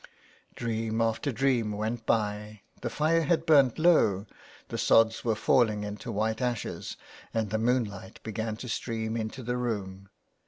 Dream after dream went by, the fire had burned low, the sods were falling into white ashes, and the moonlight began to stream into the room.